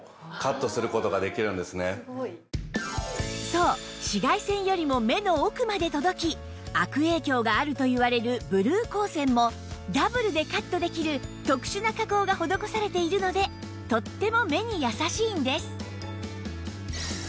そう紫外線よりも目の奥まで届き悪影響があるといわれるブルー光線もダブルでカットできる特殊な加工が施されているのでとっても目に優しいんです